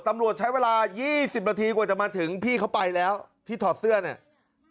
ตำรวจใช้เวลา๒๐นาทีกว่าจะมาถึงพี่เขาไปแล้วที่ถอดเสื้อเนี่ย